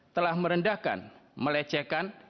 telah merendahkan melecekan